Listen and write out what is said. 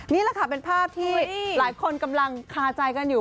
นี่แหละค่ะเป็นภาพที่หลายคนกำลังคาใจกันอยู่